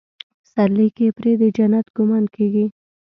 پسرلي کې پرې د جنت ګمان کېږي.